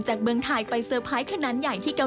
กุ๊บกิ๊บขอสงวนท่าที่ให้เวลาเป็นเครื่องท่าที่สุดไปก่อน